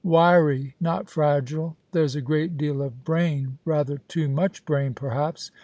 " Wiry, not fragile. There's a great deal of brain, rather too much brain, perhaps.